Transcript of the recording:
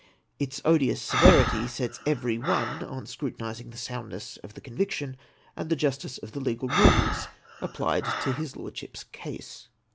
Its odious severity sets every one en scrutinising the soundness of the conviction, and the justice of the legal rules applied to his Lordship's case.